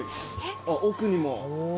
あっ奥にも。